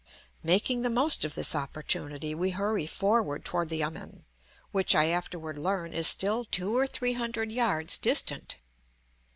Making the most of this opportunity, we hurry forward toward the yamen, which, I afterward learn, is still two or three hundred yards distant.